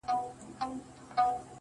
د هغه ږغ زما د ساه خاوند دی.